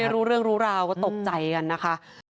รู้เรื่องรู้ราวก็ตกใจกันนะคะ